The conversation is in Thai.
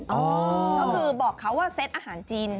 ก็คือบอกเขาว่าเซตอาหารจีน